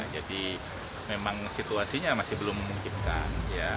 jadi memang situasinya masih belum memungkinkan